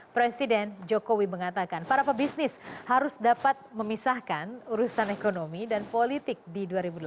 presiden jokowi mengatakan para pebisnis harus dapat memisahkan urusan ekonomi dan politik di dua ribu delapan belas